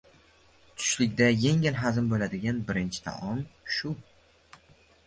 Tushlikda yengil hazm boʻladigan birinchi taom shu.